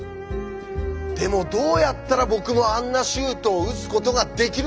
でもどうやったら僕もあんなシュートを打つことができるのか。